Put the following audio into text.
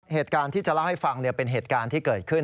เหตุการณ์ที่จะเล่าให้ฟังเป็นเหตุการณ์ที่เกิดขึ้น